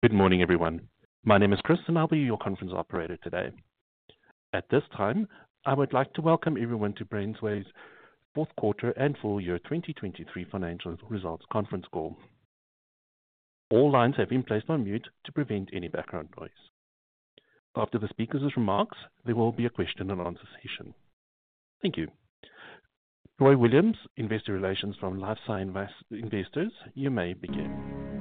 Good morning, everyone. My name is Chris, and I'll be your conference operator today. At this time, I would like to welcome everyone to BrainsWay's Fourth Quarter and Full Year 2023 Financial Results Conference Call. All lines have been placed on mute to prevent any background noise. After the speakers' remarks, there will be a question-and-answer session. Thank you. Troy Williams, investor relations from LifeSci Advisors, you may begin.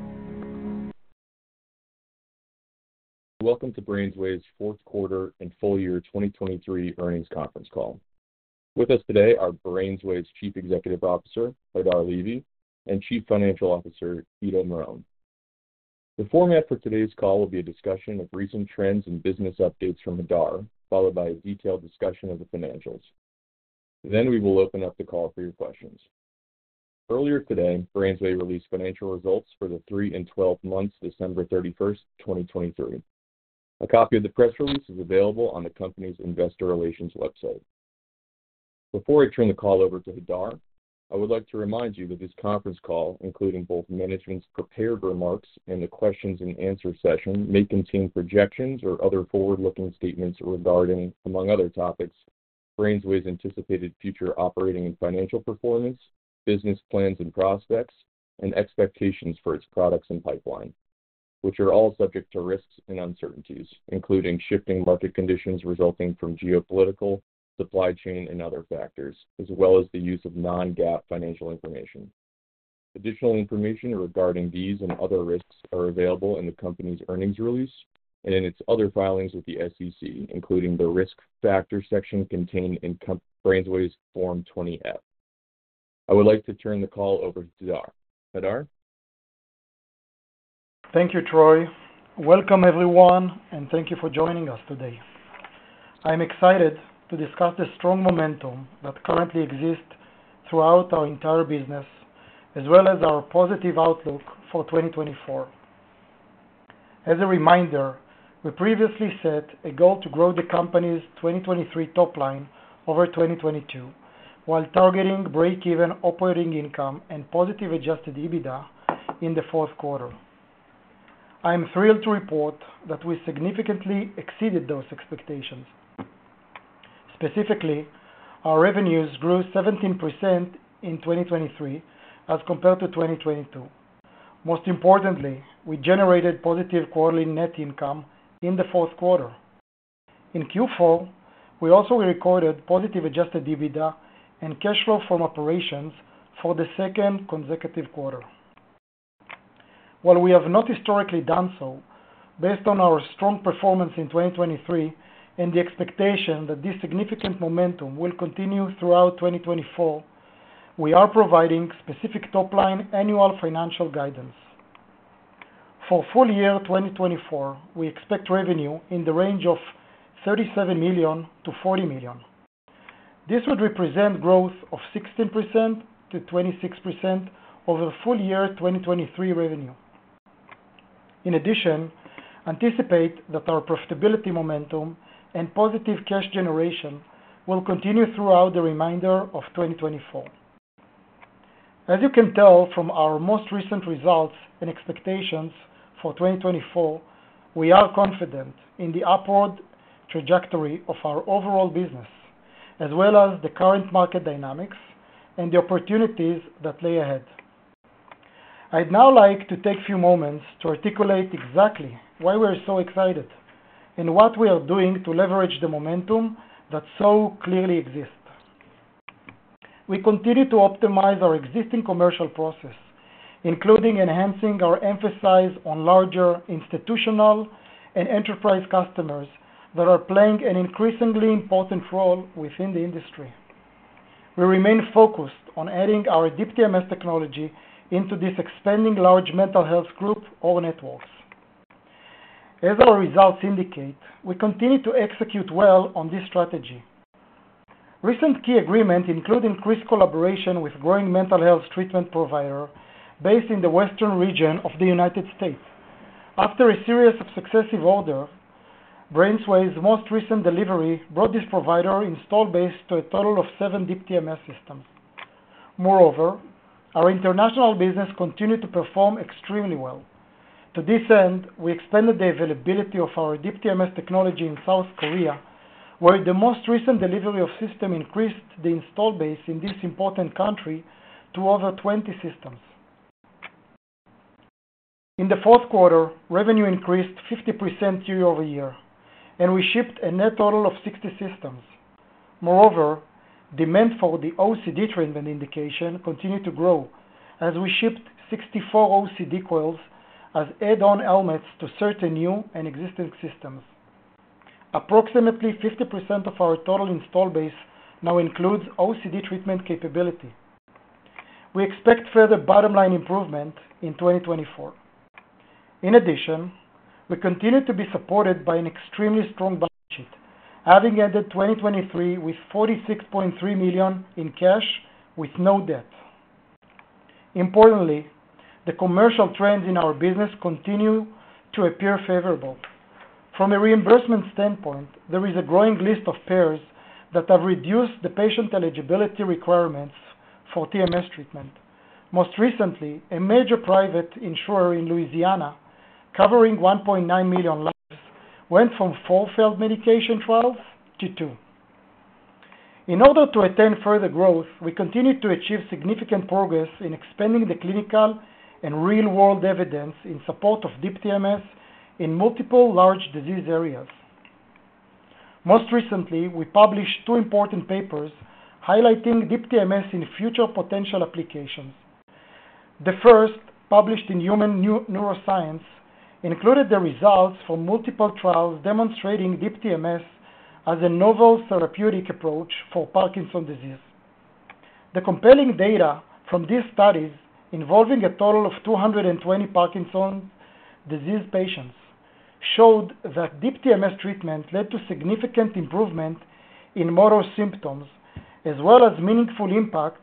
Welcome to BrainsWay's Fourth Quarter and Full Year 2023 Earnings Conference Call. With us today are BrainsWay's Chief Executive Officer, Hadar Levy, and Chief Financial Officer, Ido Marom. The format for today's call will be a discussion of recent trends and business updates from Hadar, followed by a detailed discussion of the financials. Then we will open up the call for your questions. Earlier today, BrainsWay released financial results for the three and 12 months, December 31st, 2023. A copy of the press release is available on the company's investor relations website. Before I turn the call over to Hadar, I would like to remind you that this conference call, including both management's prepared remarks and the questions-and-answer session, may contain projections or other forward-looking statements regarding, among other topics, BrainsWay's anticipated future operating and financial performance, business plans and prospects, and expectations for its products and pipeline, which are all subject to risks and uncertainties, including shifting market conditions resulting from geopolitical, supply chain, and other factors, as well as the use of non-GAAP financial information. Additional information regarding these and other risks is available in the company's earnings release and in its other filings with the SEC, including the risk factor section contained in BrainsWay's Form 20-F. I would like to turn the call over to Hadar. Hadar? Thank you, Troy. Welcome, everyone, and thank you for joining us today. I'm excited to discuss the strong momentum that currently exists throughout our entire business, as well as our positive outlook for 2024. As a reminder, we previously set a goal to grow the company's 2023 top line over 2022 while targeting break-even operating income and positive Adjusted EBITDA in the fourth quarter. I'm thrilled to report that we significantly exceeded those expectations. Specifically, our revenues grew 17% in 2023 as compared to 2022. Most importantly, we generated positive quarterly net income in the fourth quarter. In Q4, we also recorded positive Adjusted EBITDA and cash flow from operations for the second consecutive quarter. While we have not historically done so, based on our strong performance in 2023 and the expectation that this significant momentum will continue throughout 2024, we are providing specific top-line annual financial guidance. For full year 2024, we expect revenue in the range of $37 million-$40 million. This would represent growth of 16%-26% over full year 2023 revenue. In addition, anticipate that our profitability momentum and positive cash generation will continue throughout the remainder of 2024. As you can tell from our most recent results and expectations for 2024, we are confident in the upward trajectory of our overall business, as well as the current market dynamics and the opportunities that lay ahead. I'd now like to take a few moments to articulate exactly why we are so excited and what we are doing to leverage the momentum that so clearly exists. We continue to optimize our existing commercial process, including enhancing our emphasis on larger institutional and enterprise customers that are playing an increasingly important role within the industry. We remain focused on adding our Deep TMS technology into this expanding large mental health group or networks. As our results indicate, we continue to execute well on this strategy. Recent key agreements include increased collaboration with a growing mental health treatment provider based in the western region of the United States. After a series of successive orders, BrainsWay's most recent delivery brought this provider install base to a total of seven Deep TMS systems. Moreover, our international business continued to perform extremely well. To this end, we expanded the availability of our Deep TMS technology in South Korea, where the most recent delivery of systems increased the install base in this important country to over 20 systems. In the fourth quarter, revenue increased 50% year-over-year, and we shipped a net total of 60 systems. Moreover, demand for the OCD treatment indication continued to grow as we shipped 64 OCD coils as add-on helmets to certain new and existing systems. Approximately 50% of our total installed base now includes OCD treatment capability. We expect further bottom-line improvement in 2024. In addition, we continue to be supported by an extremely strong balance sheet, having ended 2023 with $46.3 million in cash with no debt. Importantly, the commercial trends in our business continue to appear favorable. From a reimbursement standpoint, there is a growing list of payers that have reduced the patient eligibility requirements for TMS treatment. Most recently, a major private insurer in Louisiana, covering 1.9 million lives, went from four failed medication trials to two. In order to attain further growth, we continue to achieve significant progress in expanding the clinical and real-world evidence in support of Deep TMS in multiple large disease areas. Most recently, we published two important papers highlighting Deep TMS in future potential applications. The first, published in Human Neuroscience, included the results from multiple trials demonstrating Deep TMS as a novel therapeutic approach for Parkinson's disease. The compelling data from these studies, involving a total of 220 Parkinson's disease patients, showed that Deep TMS treatment led to significant improvement in motor symptoms as well as meaningful impact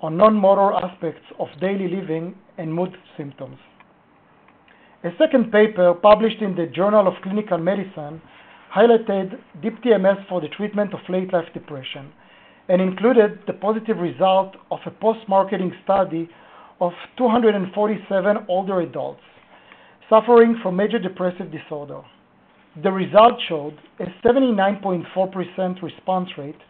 on non-motor aspects of daily living and mood symptoms. A second paper published in the Journal of Clinical Medicine highlighted Deep TMS for the treatment of late-life depression and included the positive result of a post-marketing study of 247 older adults suffering from major depressive disorder. The result showed a 79.4% response rate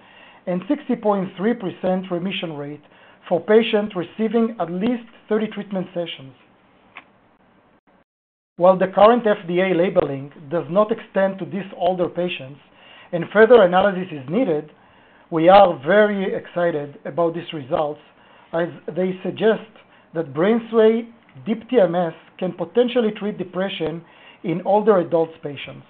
and 60.3% remission rate for patients receiving at least 30 treatment sessions. While the current FDA labeling does not extend to these older patients and further analysis is needed, we are very excited about these results as they suggest that BrainsWay Deep TMS can potentially treat depression in older adult patients.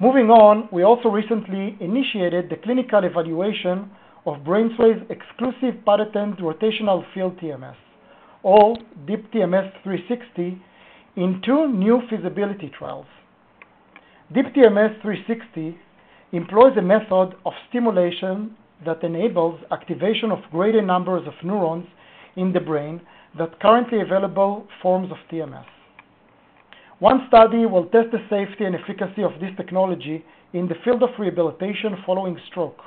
Moving on, we also recently initiated the clinical evaluation of BrainsWay's exclusive patented rotational field TMS, or Deep TMS 360, in two new feasibility trials. Deep TMS 360 employs a method of stimulation that enables activation of greater numbers of neurons in the brain than currently available forms of TMS. One study will test the safety and efficacy of this technology in the field of rehabilitation following stroke.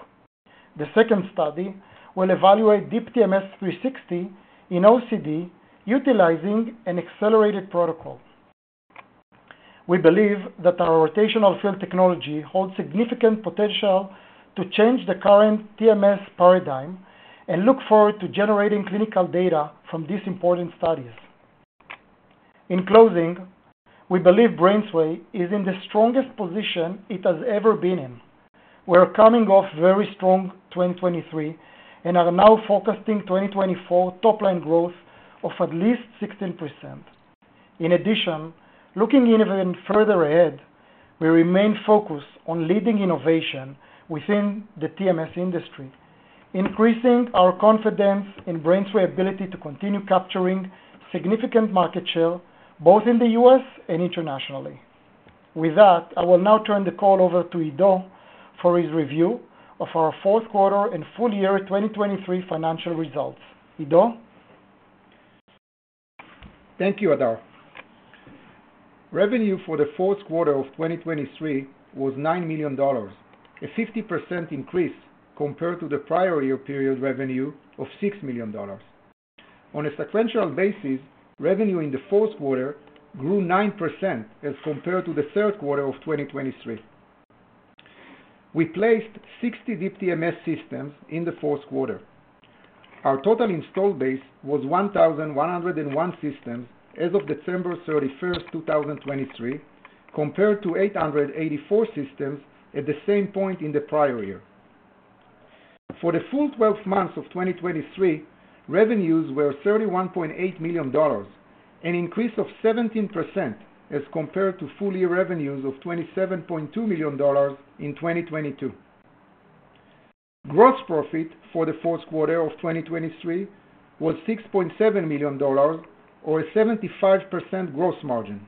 The second study will evaluate Deep TMS 360 in OCD utilizing an accelerated protocol. We believe that our rotational field technology holds significant potential to change the current TMS paradigm and look forward to generating clinical data from these important studies. In closing, we believe BrainsWay is in the strongest position it has ever been in. We are coming off very strong 2023 and are now focusing on 2024 top-line growth of at least 16%. In addition, looking even further ahead, we remain focused on leading innovation within the TMS industry, increasing our confidence in BrainsWay's ability to continue capturing significant market share both in the U.S. and internationally. With that, I will now turn the call over to Ido for his review of our fourth quarter and full year 2023 financial results. Ido? Thank you, Hadar. Revenue for the fourth quarter of 2023 was $9 million, a 50% increase compared to the prior year period revenue of $6 million. On a sequential basis, revenue in the fourth quarter grew 9% as compared to the third quarter of 2023. We placed 60 Deep TMS systems in the fourth quarter. Our total install base was 1,101 systems as of December 31st, 2023, compared to 884 systems at the same point in the prior year. For the full 12 months of 2023, revenues were $31.8 million, an increase of 17% as compared to full year revenues of $27.2 million in 2022. Gross profit for the fourth quarter of 2023 was $6.7 million, or a 75% gross margin.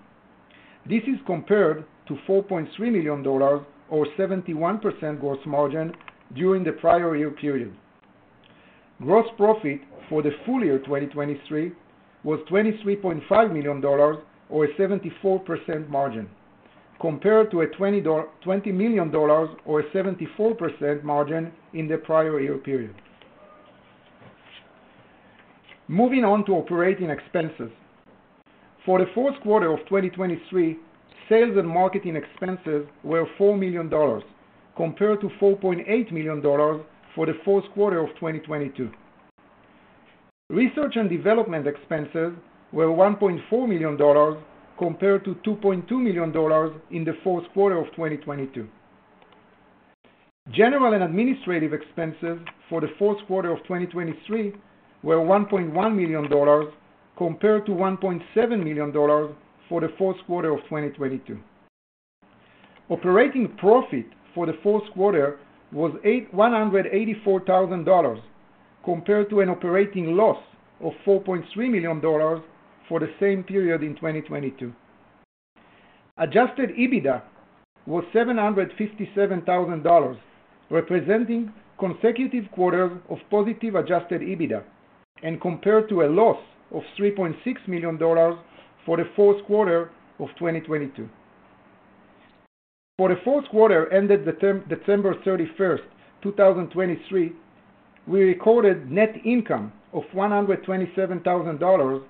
This is compared to $4.3 million, or a 71% gross margin during the prior year period. Gross profit for the full year 2023 was $23.5 million, or a 74% margin, compared to $20 million or a 74% margin in the prior year period. Moving on to operating expenses. For the fourth quarter of 2023, sales and marketing expenses were $4 million, compared to $4.8 million for the fourth quarter of 2022. Research and development expenses were $1.4 million, compared to $2.2 million in the fourth quarter of 2022. General and administrative expenses for the fourth quarter of 2023 were $1.1 million, compared to $1.7 million for the fourth quarter of 2022. Operating profit for the fourth quarter was $184,000, compared to an operating loss of $4.3 million for the same period in 2022. Adjusted EBITDA was $757,000, representing consecutive quarters of positive adjusted EBITDA and compared to a loss of $3.6 million for the fourth quarter of 2022. For the fourth quarter ended December 31st, 2023, we recorded net income of $127,000,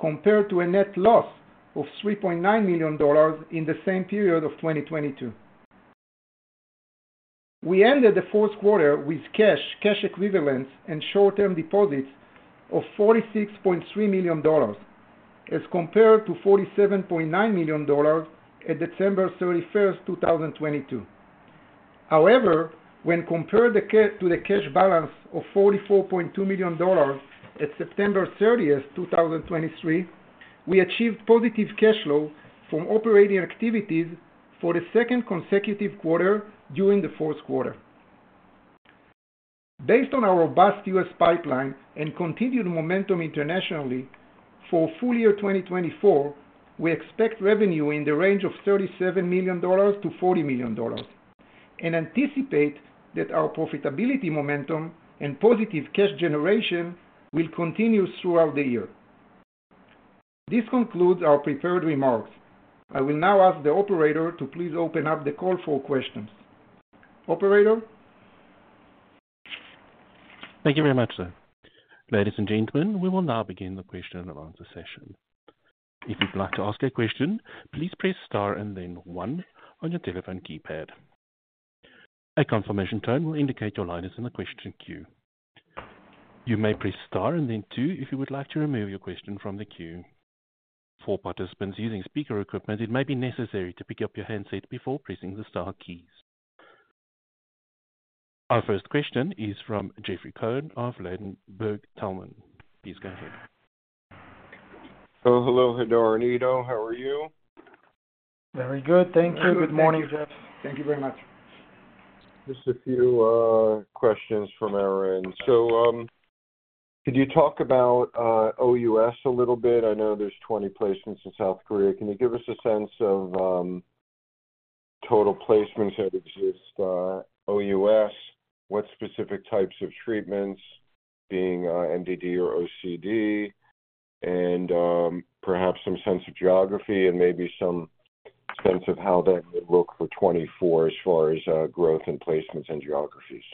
compared to a net loss of $3.9 million in the same period of 2022. We ended the fourth quarter with cash, cash equivalents, and short-term deposits of $46.3 million as compared to $47.9 million at December 31st, 2022. However, when compared to the cash balance of $44.2 million at September 30th, 2023, we achieved positive cash flow from operating activities for the second consecutive quarter during the fourth quarter. Based on our robust U.S. pipeline and continued momentum internationally, for full year 2024, we expect revenue in the range of $37 million-$40 million and anticipate that our profitability momentum and positive cash generation will continue throughout the year. This concludes our prepared remarks. I will now ask the operator to please open up the call for questions. Operator? Thank you very much, sir. Ladies and gentlemen, we will now begin the question and answer session. If you'd like to ask a question, please press star and then one on your telephone keypad. A confirmation tone will indicate your line is in the question queue. You may press star and then two if you would like to remove your question from the queue. For participants using speaker equipment, it may be necessary to pick up your handset before pressing the star keys. Our first question is from Jeffrey Cohen of Ladenburg Thalmann. Please go ahead. Hello, Hadar and Ido. How are you? Very good. Thank you. Good morning, Jeff. Thank you very much. Just a few questions from our end. Could you talk about OUS a little bit? I know there's 20 placements in South Korea. Can you give us a sense of total placements that exist OUS, what specific types of treatments, being MDD or OCD, and perhaps some sense of geography and maybe some sense of how that may look for 2024 as far as growth in placements and geographies?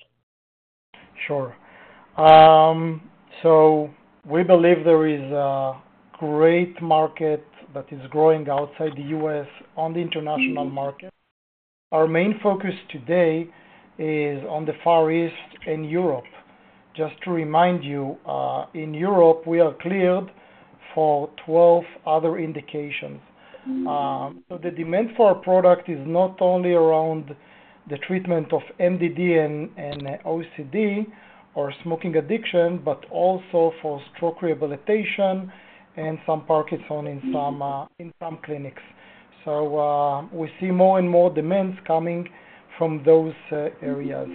Sure. So we believe there is a great market that is growing outside the U.S. on the international market. Our main focus today is on the Far East and Europe. Just to remind you, in Europe, we are cleared for 12 other indications. So the demand for our product is not only around the treatment of MDD and OCD or smoking addiction, but also for stroke rehabilitation and some Parkinson's in some clinics. So we see more and more demands coming from those areas.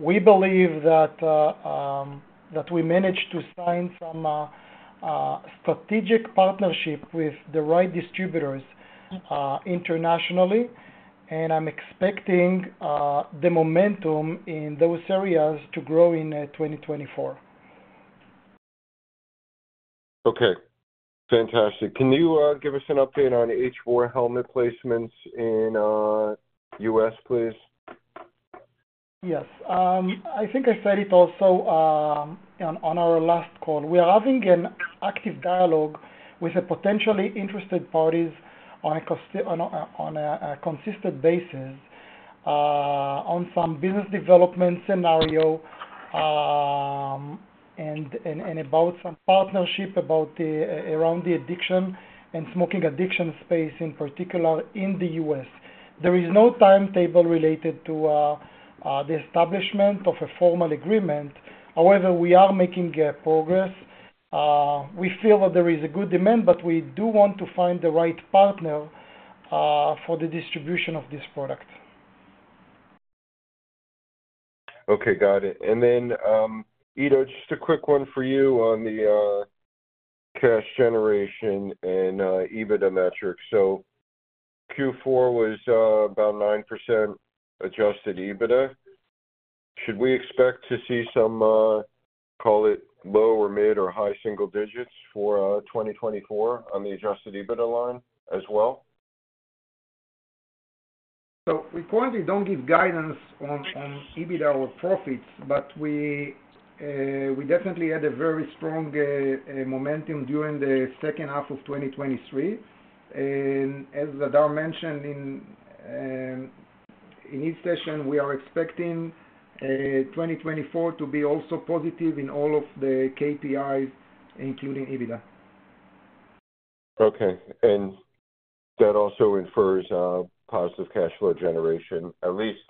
We believe that we managed to sign some strategic partnership with the right distributors internationally, and I'm expecting the momentum in those areas to grow in 2024. Okay. Fantastic. Can you give us an update on H4 Coil placements in U.S., please? Yes. I think I said it also on our last call. We are having an active dialogue with potentially interested parties on a consistent basis on some business development scenario and about some partnership around the addiction and smoking addiction space, in particular, in the U.S. There is no timetable related to the establishment of a formal agreement. However, we are making progress. We feel that there is a good demand, but we do want to find the right partner for the distribution of this product. Okay. Got it. And then, Ido, just a quick one for you on the cash generation and EBITDA metrics. So Q4 was about 9% Adjusted EBITDA. Should we expect to see some, call it, low or mid or high single digits for 2024 on the Adjusted EBITDA line as well? We currently don't give guidance on EBITDA or profits, but we definitely had a very strong momentum during the second half of 2023. As Hadar mentioned in his session, we are expecting 2024 to be also positive in all of the KPIs, including EBITDA. Okay. And that also infers positive cash flow generation, at least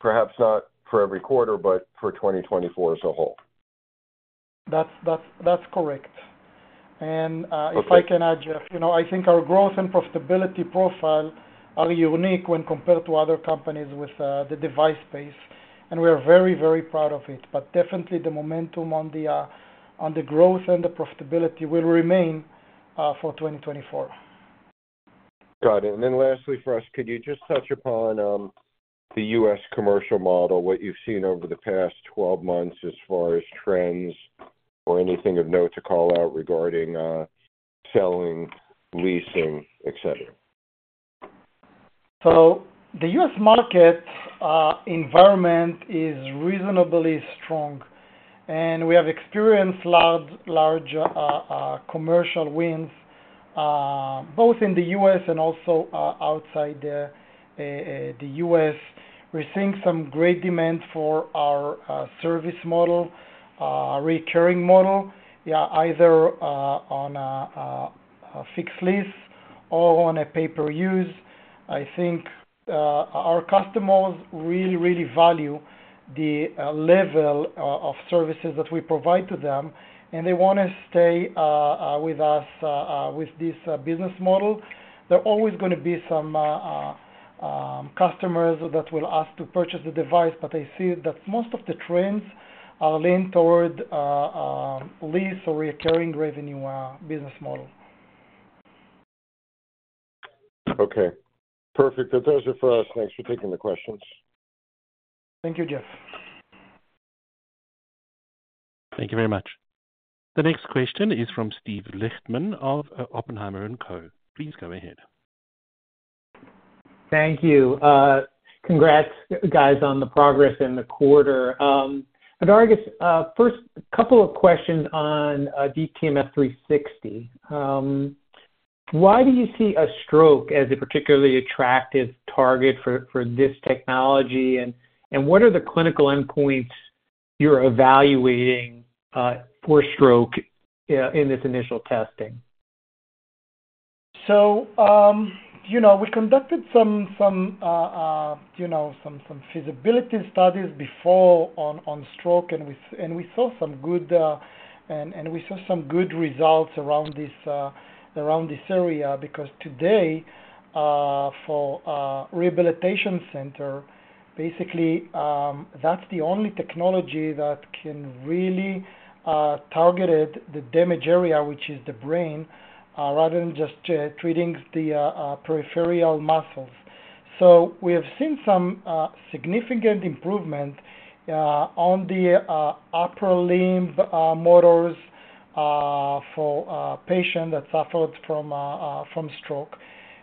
perhaps not for every quarter, but for 2024 as a whole. That's correct. And if I can add, Jeff, I think our growth and profitability profile are unique when compared to other companies with the device space, and we are very, very proud of it. But definitely, the momentum on the growth and the profitability will remain for 2024. Got it. And then lastly for us, could you just touch upon the U.S. commercial model, what you've seen over the past 12 months as far as trends or anything of note to call out regarding selling, leasing, etc.? So the U.S. market environment is reasonably strong, and we have experienced large commercial wins both in the U.S. and also outside the U.S. We're seeing some great demand for our service model, recurring model, either on a fixed lease or on a pay-per-use. I think our customers really, really value the level of services that we provide to them, and they want to stay with us with this business model. There are always going to be some customers that will ask to purchase the device, but I see that most of the trends are leaned toward lease or recurring revenue business model. Okay. Perfect. That does it for us. Thanks for taking the questions. Thank you, Jeff. Thank you very much. The next question is from Steven Lichtman of Oppenheimer & Co. Please go ahead. Thank you. Congrats, guys, on the progress in the quarter. Hadar, I guess, first couple of questions on Deep TMS 360. Why do you see a stroke as a particularly attractive target for this technology, and what are the clinical endpoints you're evaluating for stroke in this initial testing? So we conducted some feasibility studies before on stroke, and we saw some good results around this area because today, for rehabilitation center, basically, that's the only technology that can really target the damaged area, which is the brain, rather than just treating the peripheral muscles. So we have seen some significant improvement on the upper limb motors for patients that suffered from stroke.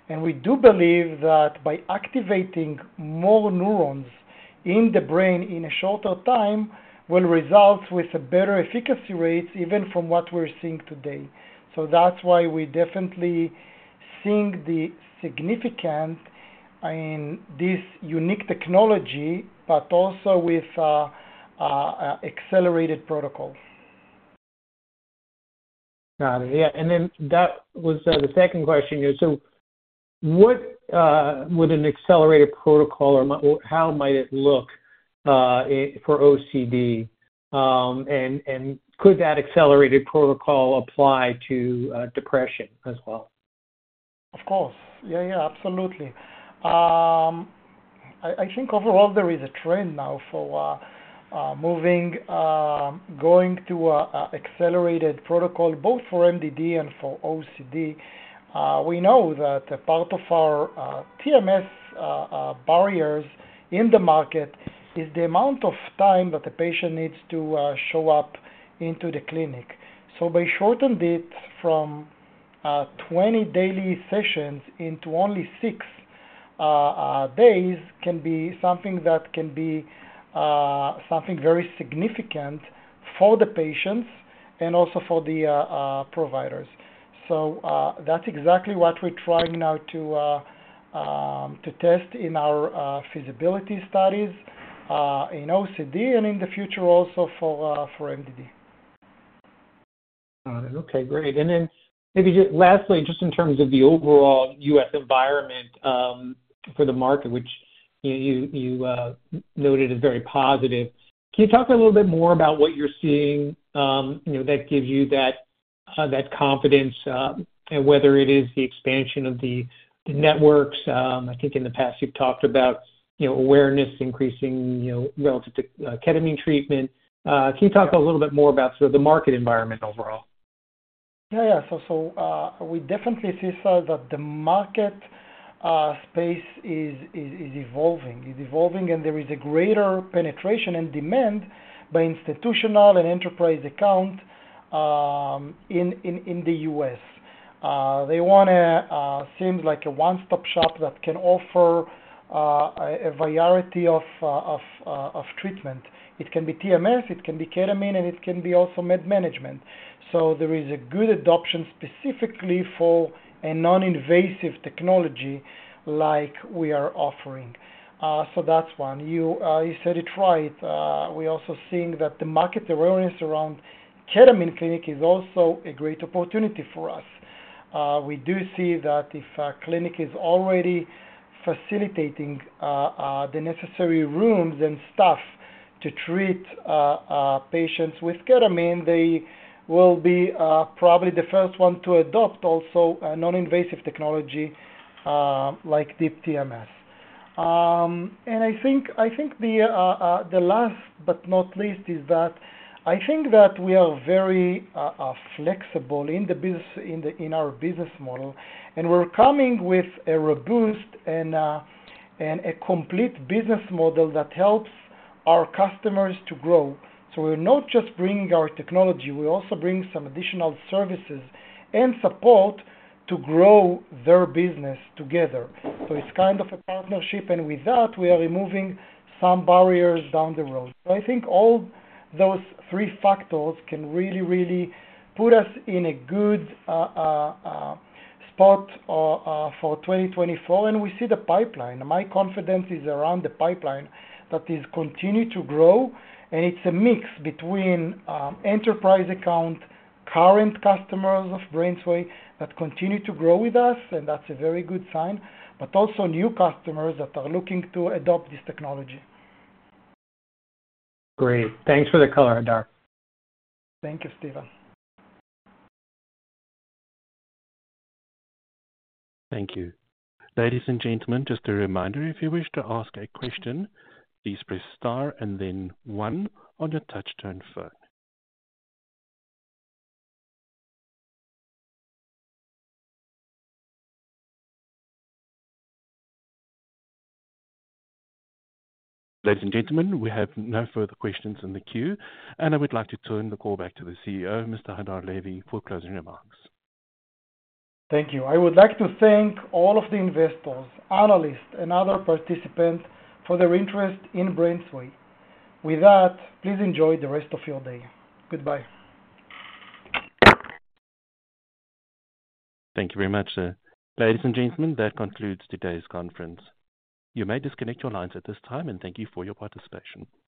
And we do believe that by activating more neurons in the brain in a shorter time will result with better efficacy rates even from what we're seeing today. So that's why we definitely see the significance in this unique technology, but also with accelerated protocol. Got it. Yeah. And then that was the second question here. So what would an accelerated protocol or how might it look for OCD? And could that accelerated protocol apply to depression as well? Of course. Yeah, yeah. Absolutely. I think overall, there is a trend now for going to an accelerated protocol both for MDD and for OCD. We know that part of our TMS barriers in the market is the amount of time that the patient needs to show up into the clinic. So by shortening it from 20 daily sessions into only 6 days can be something that can be something very significant for the patients and also for the providers. So that's exactly what we're trying now to test in our feasibility studies in OCD and in the future also for MDD. Got it. Okay. Great. And then maybe just lastly, just in terms of the overall U.S. environment for the market, which you noted is very positive, can you talk a little bit more about what you're seeing that gives you that confidence, whether it is the expansion of the networks? I think in the past, you've talked about awareness increasing relative to ketamine treatment. Can you talk a little bit more about sort of the market environment overall? Yeah, yeah. So we definitely see that the market space is evolving. It's evolving, and there is a greater penetration and demand by institutional and enterprise accounts in the U.S. They want, it seems like, a one-stop shop that can offer a variety of treatment. It can be TMS. It can be ketamine, and it can be also med management. So there is a good adoption specifically for a non-invasive technology like we are offering. So that's one. You said it right. We're also seeing that the market awareness around ketamine clinic is also a great opportunity for us. We do see that if a clinic is already facilitating the necessary rooms and staff to treat patients with ketamine, they will be probably the first one to adopt also a non-invasive technology like Deep TMS. I think the last but not least is that I think that we are very flexible in our business model, and we're coming with a robust and a complete business model that helps our customers to grow. So we're not just bringing our technology. We also bring some additional services and support to grow their business together. So it's kind of a partnership, and with that, we are removing some barriers down the road. So I think all those three factors can really, really put us in a good spot for 2024, and we see the pipeline. My confidence is around the pipeline that is continuing to grow. And it's a mix between enterprise account, current customers of BrainsWay that continue to grow with us, and that's a very good sign, but also new customers that are looking to adopt this technology. Great. Thanks for the color, Hadar. Thank you, Steven. Thank you. Ladies and gentlemen, just a reminder, if you wish to ask a question, please press star and then 1 on your touchscreen phone. Ladies and gentlemen, we have no further questions in the queue, and I would like to turn the call back to the CEO, Mr. Hadar Levy, for closing remarks. Thank you. I would like to thank all of the investors, analysts, and other participants for their interest in BrainsWay. With that, please enjoy the rest of your day. Goodbye. Thank you very much. Ladies and gentlemen, that concludes today's conference. You may disconnect your lines at this time, and thank you for your participation.